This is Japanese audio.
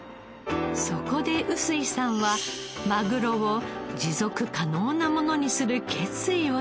そこで臼井さんはマグロを持続可能なものにする決意をしたのです。